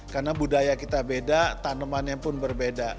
karena budaya kita beda tanamannya pun berbeda